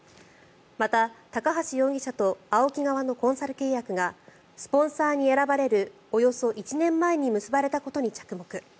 また、高橋容疑者とＡＯＫＩ側のコンサル契約がスポンサーに選ばれるおよそ１年前に結ばれたことに着目。